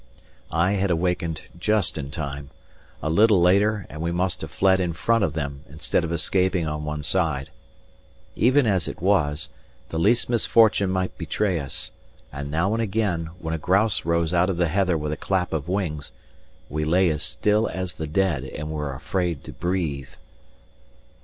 I had awakened just in time; a little later, and we must have fled in front of them, instead of escaping on one side. Even as it was, the least misfortune might betray us; and now and again, when a grouse rose out of the heather with a clap of wings, we lay as still as the dead and were afraid to breathe.